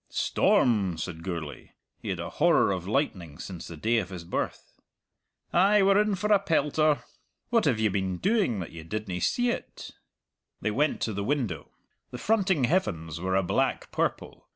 "Storm!" said Gourlay. He had a horror of lightning since the day of his birth. "Ay, we're in for a pelter. What have you been doing that you didna see't?" They went to the window. The fronting heavens were a black purple.